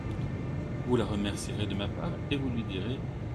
Vous la remercierez de ma part, et vous lui direz…